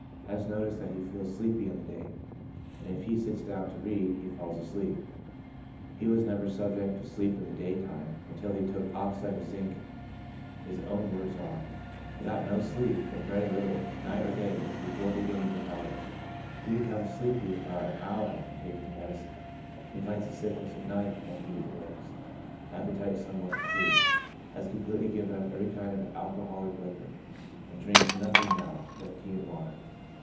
Has noticed that he feels sleepy in the day, and if he sits down to read, he falls asleep; he was never subject to sleep in the daytime until he took the oxide of zinc ; his own words are " I got no sleep, or very little, night or day, before beginning the powders ;" he becomes sleepy about an hour after taking the medicine. Complains of sickness at night when he awakes ; appetite somewhat improved. Has completely given up every kind of alcoholic liquor, and drinks nothing now but tea and water.